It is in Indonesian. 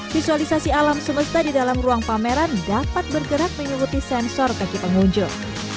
visualisasi alam semesta di dalam ruang pameran dapat bergerak mengikuti sensor kaki pengunjung